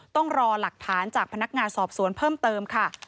ต้องรอหลักฐานจากพนักงานสอบสวนเพิ่มเติมค่ะ